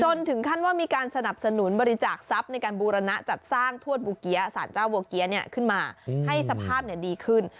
ถึงขั้นว่ามีการสนับสนุนบริจาคทรัพย์ในการบูรณะจัดสร้างทวดบูเกี๊ยสารเจ้าบัวเกี๊ยขึ้นมาให้สภาพดีขึ้น